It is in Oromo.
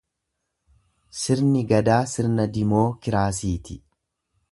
Sirni Gadaa sirna dimookiraasii ti.